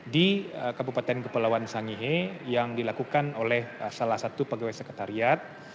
di kabupaten kepulauan sangihe yang dilakukan oleh salah satu pegawai sekretariat